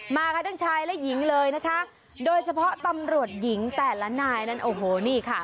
มากันทั้งชายและหญิงเลยนะคะโดยเฉพาะตำรวจหญิงแต่ละนายนั้นโอ้โหนี่ค่ะ